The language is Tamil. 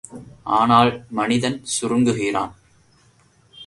ஆனால் மனிதன் சுருங்குகிறான்.